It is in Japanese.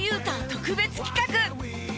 特別企画。